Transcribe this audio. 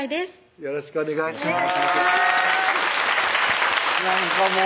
よろしくお願いします